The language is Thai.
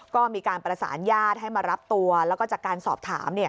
ก็มีการประสานญาติให้มารับตัวแล้วก็จากการสอบถาม